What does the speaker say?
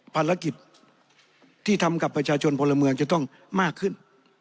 ภารกิจที่ทำกับประชาชนพลเมืองจะต้องมากขึ้น